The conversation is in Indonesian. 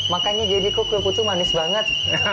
makanya jadi kok kue putu manis banget